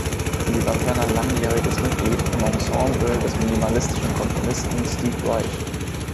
Sie war ferner langjähriges Mitglied im Ensemble des minimalistischen Komponisten Steve Reich.